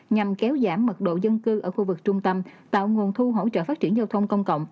nhằm kéo giảm mật độ dân cư ở khu vực trung tâm tạo nguồn thu hỗ trợ phát triển giao thông công cộng